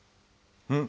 うん？